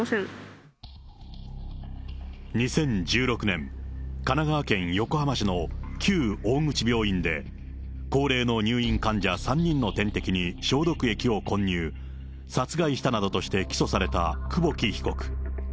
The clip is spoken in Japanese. ２０１６年、神奈川県横浜市の旧大口病院で、高齢の入院患者３人の点滴に消毒液を混入、殺害したなどとして起訴された久保木被告。